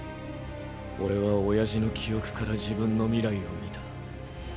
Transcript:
オレは親父の記憶から自分の未来を見た。